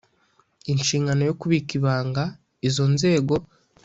nshingano yo kubika ibanga izo nzego